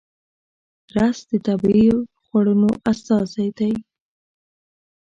رس د طبیعي خوړنو استازی دی